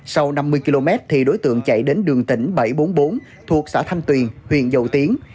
sau năm mươi km thì đối tượng chạy đến đường tỉnh bảy trăm bốn mươi bốn thuộc xã thanh tuyền huyện dầu tiến